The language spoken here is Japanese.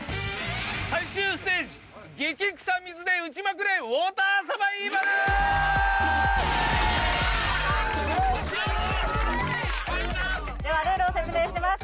最終ステージ激クサ水で撃ちまくれウォーターサバイバルではルールを説明します